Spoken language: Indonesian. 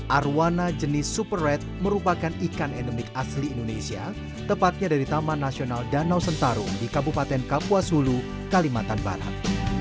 arowana jenis super red merupakan ikan endemik asli indonesia tepatnya dari taman nasional danau sentarung di kabupaten kapuasulu kalimantan barat